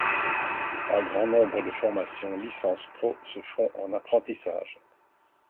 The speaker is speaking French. Un grand nombre de formations Licence pro se font en apprentissage.